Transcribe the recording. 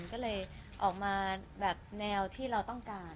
ก็เลยออกมาแบบแนวที่เราต้องการ